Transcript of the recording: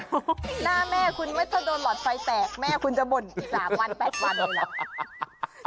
หน้าแม่คุณไม่ต้องโดนหลอดไฟแตกแม่คุณจะบ่นอีก๓วัน๘วันเลยล่ะ